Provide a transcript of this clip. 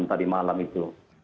ya sudah diputuskan